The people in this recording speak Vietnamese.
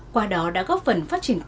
qua đó đã góp phần phát triển kinh doanh